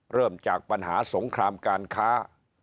เริ่มจากปัญหาสงครามการค้า